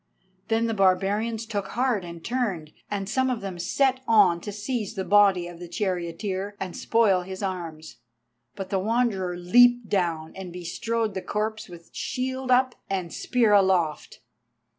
Then the barbarians took heart and turned, and some of them set on to seize the body of the charioteer, and spoil his arms. But the Wanderer leaped down and bestrode the corpse with shield up and spear aloft.